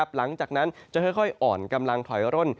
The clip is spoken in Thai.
หลังจากนั้นจะค่อยอ่อนกำลังถอยร่น